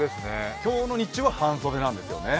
今日の日中は半袖なんですよね。